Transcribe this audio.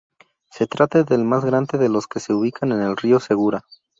Se trata del más grande de los que se ubican en el río Segura.